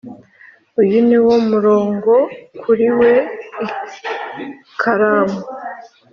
uyu niwo murongo kuri we i ikaramu,